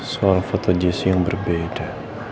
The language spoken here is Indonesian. soal foto jisoo yang berbeda